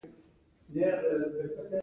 دا د مصطفی ملکیان په تعبیر ځانګړی نوم لري.